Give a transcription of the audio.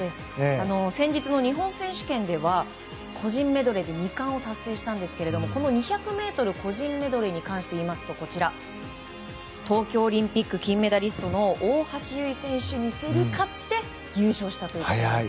先日の日本選手権では個人メドレーで２冠を達成したんですがこの２００ｍ個人メドレーに関して言いますと東京オリンピック金メダリストの大橋悠依選手に競り勝って優勝したということです。